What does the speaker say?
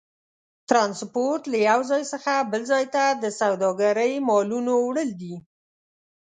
ترانسپورت له یو ځای څخه بل ځای ته د سوداګرۍ مالونو وړل دي.